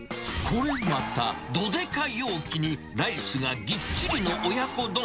これまたどでかい容器にライスがぎっちりの親子丼。